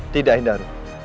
tidak indah ruh